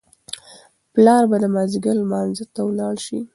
پلار به د مازیګر لمانځه ته ولاړ شي.